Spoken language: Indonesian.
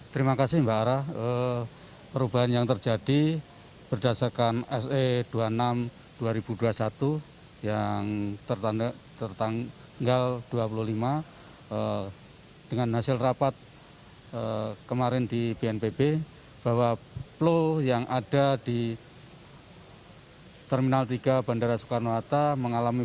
terima kasih mbak arah perubahan yang terjadi berdasarkan se dua puluh enam dua ribu dua puluh satu yang tertanggal dua puluh lima